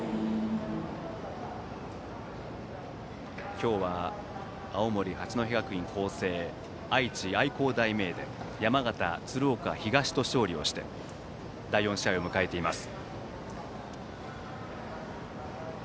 今日は青森・八戸学院光星愛知・愛工大名電山形・鶴岡東と勝利をして第４試合を迎えています。